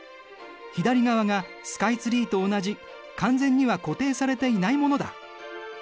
左側がスカイツリーと同じ完全には固定されていないものだ。